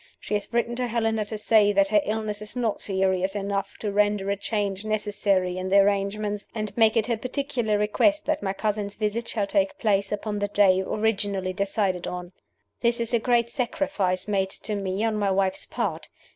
She has written to Helena to say that her illness is not serious enough to render a change necessary in the arrangements, and to make it her particular request that my cousin's visit shall take place upon the day originally decided on. "This is a great sacrifice made to me on my wife's part.